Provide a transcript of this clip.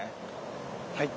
はい。